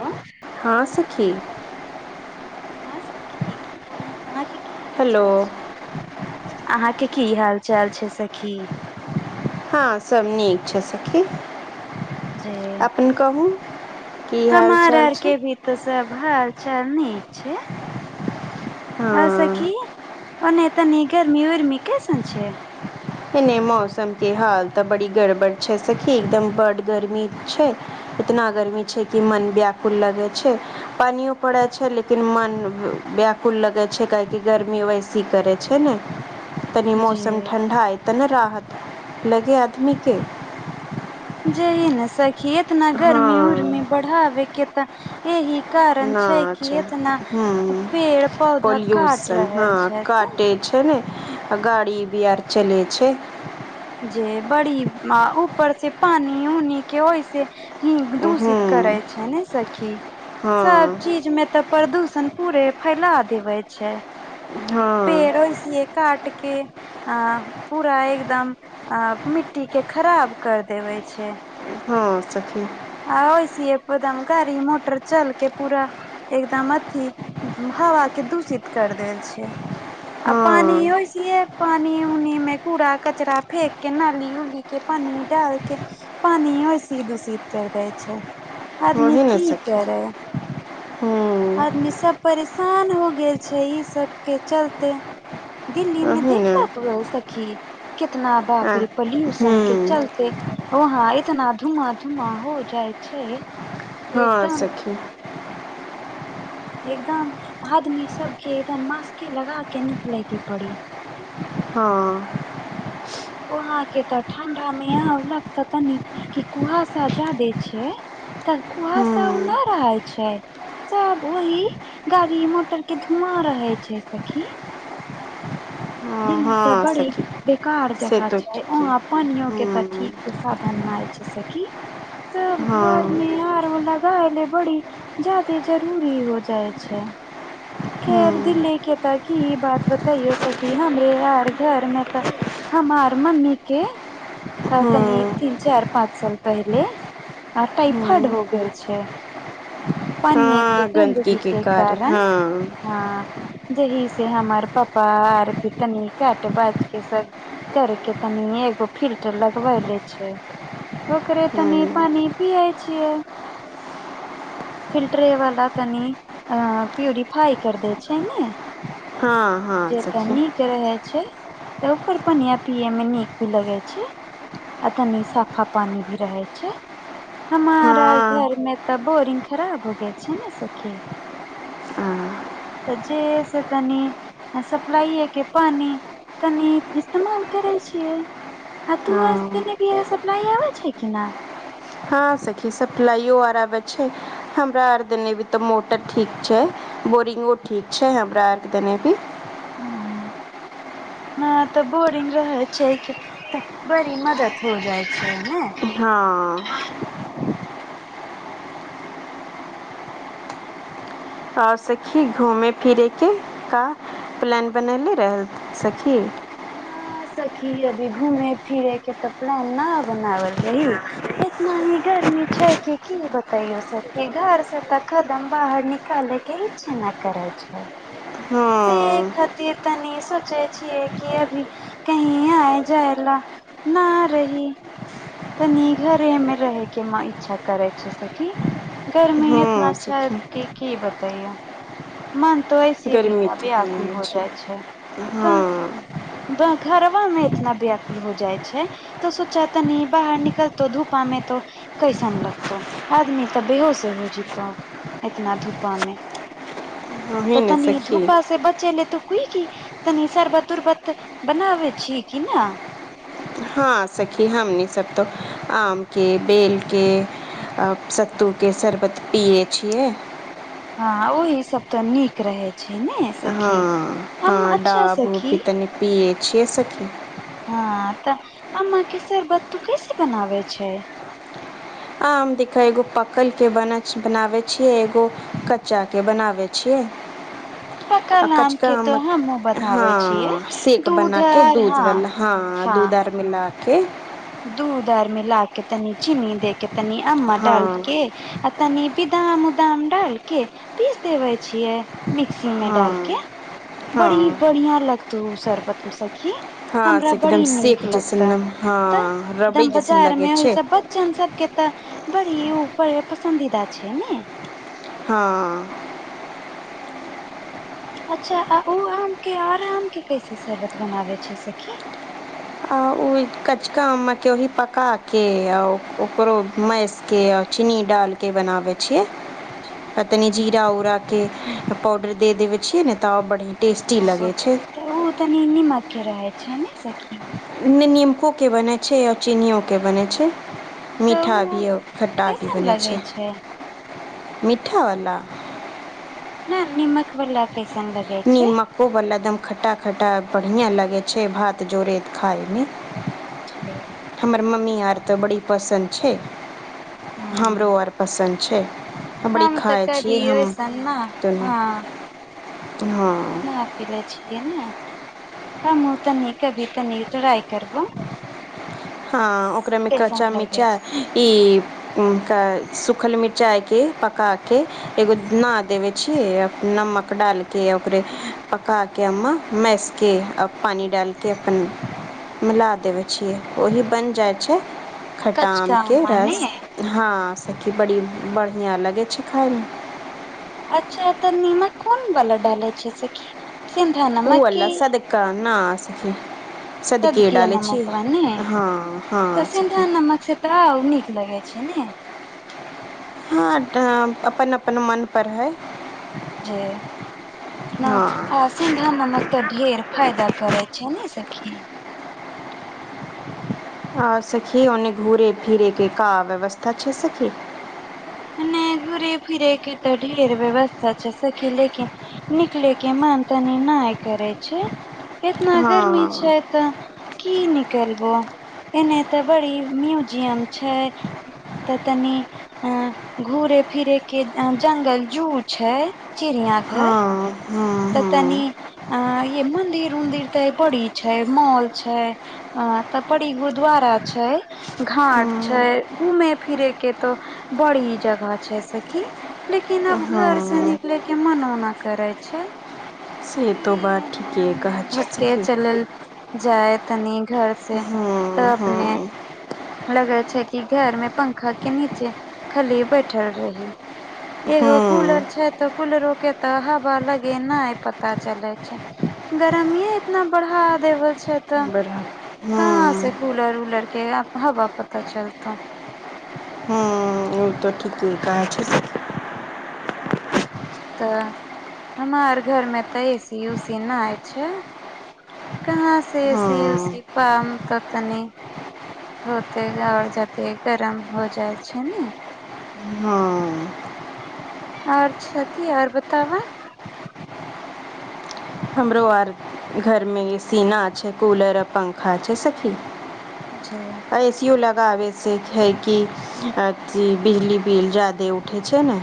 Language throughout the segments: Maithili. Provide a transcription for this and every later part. आं हँ सखी हाँ सखी की हाल चाल अहाँ के की हाल हेलो चाल छै अहाँके की हाल चाल छै सखी हँ सब निक छै सखी जे अपन कहू की हाल चाल छै तस भाल चाल नीक छै ओर सखी हँ ओने तनी गरमी उरमी कैसन छै एने मौसम के हाल तऽ बड़ी गड़बड़ छै सखी एकदम बड गर्मी छै इतना गर्मी छै कि मन बयाकुल लगे छै पानियो पड़ै छै लेकिन मन व्याकुल लगे छै काहेकि गर्मी वैसे सी करै छै ने तनी मौसम जे ठंडा आय तन राहत लगे आदमी के जेही ने सखी खेत नगर मे उर में हँ बढ़ाबे के त एहि कारण ना छै कि कि अच्छा एतना हूँ पेड़ पौधा काट रहल छै त छै न आ गाड़ी भी आर चलै छै जे बड़ी ऊपर से पानि उनी के ओहिस ह दूषित करे छै ने सखी सब चीज मे तऽ प्रदूषण पूरे फैला देवे छै पेड़ो इसए काट के अ पूरा एकदम अ मिट्टी के खराब कर देवे छै हँ सखी आ वऐसए पदम गाड़ी मोटर चलके पूरा एकदम अथी हवा के दूषित कर देल छै आ पानी ओ ईहे पानि उनिमे कूड़ा कचड़ा फेकके नाली उलीके पानि डालिके पानी एसीध दुसीदध कर दै छौ आदमी की करै आदमी सब परेशान हो गेल छै ई सब के चलते दिल्ली में देख ल त सखी कितना बापरी पोल्यूशन के चलते ओ हँ ए तऽ न धूआ धूआ हो जाइ छै हँ एकदम सखी एकदम आदमी सबके एकदम मास्के लगा के निक ले के पड़ी हँ वहांके त ठंडा मे यहाँ होलकते कनि कि कुहासा जायदे छै तऽ कुहा सब ओ नहि रहै छै सब ओहि गाड़ी मोटर के धुआँ रहे छै सखी दिल्ली के बड़ी बेकार से जगह तो छै ठीके अहाँ पानियो के त हँ ठीक साधन नाय छै सखी सब हँ घर मे आरो बी [unintelligible] जायदे जरूरी हो जाइ छै हँ खेर दिली के ताकि ई बात बताई यो सखी हमरे यार घर मे तऽ हमार मम्मी के आब तनी हँ तिन चार पाँच साल पहले आ टाइफइड हँ हो गेल छै पानिए क हँ जिंदगी गन्दगीके के कारण हँ ह जहि से हमर पापा आर भी तनी कट बाज के सब करके तनी एगो फिर लगबै ले छै ओकरे तनी हँ पानी पीयै छियै फिल्टरे वला तनि अ प्यूरिफाइ कर दै छै ने हँ हँ सखी जेतनी के रहे छै तऽ ओकर पनििया पिये मे नीक भी लगे छै आ तनी साफा पानी भी रहै छै हमारा हँ घर में तऽ बोरिंग खराब हो गेल छै ने सखी हँ तऽ जे से तनी सप्लाइ के पानी तनी इस्तेमाल करै छियै ह तू पी सप्लाइ आ छै कि नहि हँ सखी सप्लाइयो आर आबै छै हमरा आर दिनी तो मोटर ठीक छै बोरिंगो ठीक छै हमरा आरके देने भी ह नहि तऽ बोरिंग रहै छै बरी मदद हो जाइ छै न हँ आओर सखी घूमेै फिरैके का प्लान बनैले रहल सखी न सखी अभी घूमे फिरे के तऽ प्लान न बनावल रही एतना ही गर्मी छै कि की बतायो सखी घर से त खदम बाहर नि कके इच्छा ना करै छै से हँ खातिर तनी सोचे छीियै कि अभी कहीं आय जाय ला न रही तनी घरेमे रहै के म इच्छा करै छै सखी गर्मी इतना हँ छै सखी कि की बतैय मन तो ओइसे भी गर्मी व्याकुल हो तऽ जाइ छै तऽ हँ ब घरबा मे इतना व्याकुल हो जाइ छै तऽ सोच तानि बाहर निकलतो धूपामे तो कैसन लगतौ आदमी तऽ बेहोसे हो जैतो एतना धुपा मे ओही तऽ ने तनि सखी धूपा से बचे ले तऽ कोइ की तनी सरबत उरबत बनाबै छी की न हँ सखी हमनी सबतो आमके बेलके सत्तूके शरबत पियै छियै हँ ओहि सब तो नीक रहै छै ने सखी हँ अम्मा हँ अच्छा डाब उभ सखी भी तनी पियै छियै सखी हँ तऽ आमा के सरबत तु कैसे बनावे छै आम देख एगो पकल के बनाबै छियै एगो कच्चा के बनाबै छियै [inaudible] पकल आम कचका के तो आमक हमहुँ हँ बनाबै छियै सेक दूध बनाके आर हँ दूधवला हँ दूध आर मिलाके दूध आर मिला के तनी चीनी दे के तनी अमवा हँ डालके आ तनी बिदाम उदाम डालके पीस देबै छियै मिक्सी मे हँ डाल के बड़ी हँ बढ़ियाँ लगतौ ओ शर्बत उ सखी हँ हमरा से एकदम बड़ी शेख नीक लगतौ जैसन हँ रबड़ी जइसन लगे छै चन सबके तऽ बड़ी पड़ पसन्दीदा छै ने हँ [inaudible] अच्छा आ उ आम के आर आम के कैसे शरबत बनाबै छै सखी आ ओ कचका आम के ओहि पकाके आ ओकरो मैस के चीनी डालके के बनाबै छियै [inaudible] आ तनी जीरा उरा के पावउडर दे देवे छियै ने तऽ आओर बढ़ियाँ तऽ ओ तनी निमक के रहै छै ने सखी नीमको के बनैत छै ओर चीनियोके बनैत छै तऽ मीठा ओ भी और खट्टा भी कैसन बनै लगे छै मीठा वाला नहि निमक वला कैसन लगे छै ओ वला एकदम खट्टा खट्टा बढ़ियाँ लगै छै भात जोड़ै खायमे [inaudible] हमर मम्मी आर तऽ बड़ी पसन्द छै ह हमरो आर पसन्द छै बड़ी हम तऽ खाय कभी छियै हम ओइसन न [unintelligible] दुनू हँ अपने पीलै छियै ने हमहुँ तनी कभी तनी ट्राइ करबो हँ ओकरामे कैसन कच्चा लगे मिरचाइ छै ई तनका सूखल मिरचाइके पकाके एगो [unintelligible] भुना देबै छियै नमक डालके ओकरे पकाके ओमे मैसके पानि डालके अपन मिला देबै छियै ओही बनि जाइ छै खट्टा आम कचका के ने रस हँ सखी बड़ी बढ़ियाँ लगै छै खाइमे अच्छा तऽ नीमक कोन वाला डालै छियै सखी सिन्धा ओ नमक की अला सदका न सखी सदकी सदके डालै नमक वा ने छियै हँ हँ सखी तब उ नीक लगै छै ने हँ तऽ अपन अपन मन पर हय हँ चेन्धा नमक तऽ ढेर फायदा करे छै ने सखी आ सखी ओनने घूरे फिरे के का व्यवस्था छै सखी नहि घूरे फिरै के तऽ ढेर व्यवस्था छै सखी लेकिन निकले के मन तनी नहि करे छै इतना गर्मी छै हँ तै की निकलबो एने ते बड़ी म्यूजियम छै तऽ तनी अ घूरे फिरे के जंगल जू छै चिड़िया घर हँ हँ तऽ तनी हँ अ ये मंन्दिर उन्दिर तऽ बड़ी छै मोल छै ह तऽ बड़ी गुरुद्वारा छै घाट हँ छै घूमे फिरे के तो बड़ी जगह छैस कि लेकिन आब घर से हँ निकले के मनोना करे छै से की तो बात एने ठीके उने कहै छै भटके सखी चलल जाय तनी घर से हँ तऽ अपने हँ लगे छै की घर में पंखा के नीचे खली बैठल रही एगो कूलर हँ छै तऽ कूलर ओके तऽ हवा लगी नहि पता चले छै गर्मी इतना बढ़ा देव छै तऽ बड़ा कहाँ से हँ कूलर पुलर के हवा पता चलतै हँ ओ तऽ ठीके कहाँ छै सखी तऽ हम आर घरमे तऽ एसी उसी नहि छै कहाँ से एसी हँ उसी पाम तऽ तनी होते आओर जते गरम हो जाइ छै ने हां आओर छथि आओर बताबऽ हमरो आर घरमे एसी ना छै कूलर आर पंखा छै सखी जी ए सी यू लगाबै से छै कि अथी बिजली बिल ज्यादे उठे छै ने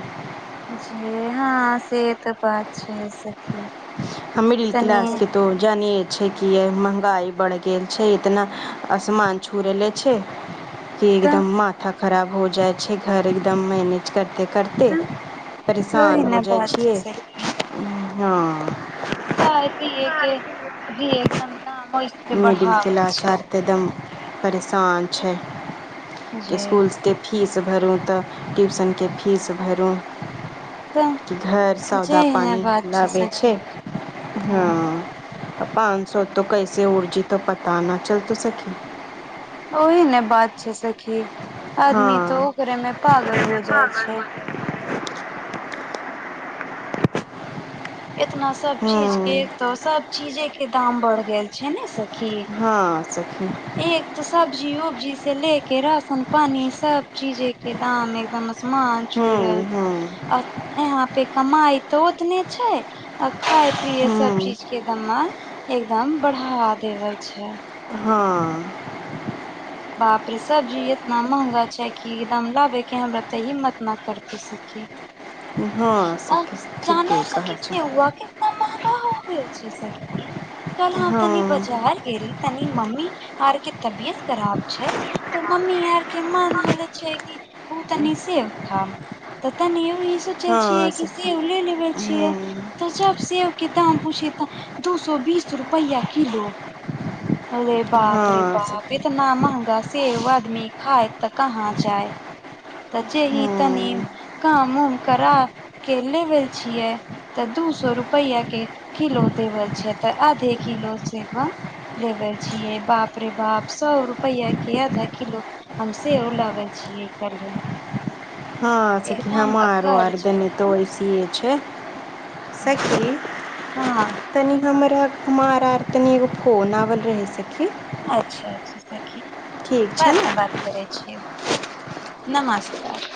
जी हँ से तऽ बात छै सखी हमरी तनी क्लासके तो जानि छै कि महँगाइ बढ़ि गेल छै इतना आसमान छू लेने छै की तऽ एकदम माथा खराब हो जाय छै घर एकदम मैने करिते करिते तऽ ओहि परेशान हो ने जाइ बात छै छियै सखी हँ खाई पिए के भी एकदम दाम इसले मिडिल बढ़ाल क्लास छै आर एकदम परेशान छै कि जे स्कूलसके फीस भरू तऽ ट्यूशनके फीस भरू तऽ घर सौदा जेही ने पानी बात लाबे छै सखी हँ पाँच सो तो कैसे उड़जी तऽ पता न चल त सकी ओही ने बात छै सखी आदमी तो हँ ओकरे में पागल हो जाइ छै एतना सब चीज के हूँ तो सब चीजे के दाम बढ़ गेल छै ने स हँ सखी एक [inaudible] तऽ सब्जी उब्जी से ले के राशन पानी सब चीजे के दाम एकदम आसमान छू हूँ रहल हूँ आ यहाँ पे कमाइ त उतने छै आ खाय पिये सब हूँ चीज के दमा एकदम बढ़ावा देवल छै हँ बाप रे सब्जी इतना महंगा छै कि एकदम लाबे के हमरा तही हिमत ना करते हँ आ सखी ठीके जानाऐसा कहै कस छ से हुआ क [unintelligible] महगा हो गेल छै सखी कल हम तनी हँ बाजार गेली तनी मम्मी आारके तबियत खराब तऽ मम्मी आर के मन होले छै कि पू त नि सेेव खाव तनि ई सोचल छिय हँ कि सखी सेव ले लेवल छियै हूँ तऽ जब सेव के दाम पूछिे त दू सए बीस रुपैआ कििलो ओे बाप रे हँ बाप सखी इतना महगा सेव आदमी खााय तऽ कहाँ जाय त जेे ही तनी हूँ काम उम करा के लेबै छियै तऽ दू सए रुपैआ के किलो देवल छै तऽ आधे किलो सेवा लेबर छियै बाप रे बाप सए रुपैआ के आधा किलो हम हम सेब लाबै छियै कर ले हँ सखी हम आरो अकड़ आर छै गनीितो एकदम ऐसे छै सखी हँ तनि हमरा हमार आर तनि एगो फोन आबल रहै सखी अच्छा अच्छा सखी ठीक छै बाद ने मे बात करै छिय नमस्कार